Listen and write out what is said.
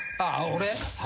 俺？